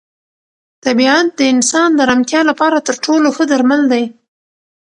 طبیعت د انسان د ارامتیا لپاره تر ټولو ښه درمل دی.